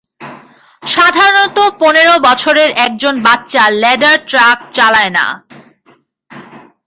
সাধারণত পনেরো বছরের একজন বাচ্চা ল্যাডার ট্রাক চালায় না।